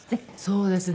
そうですね。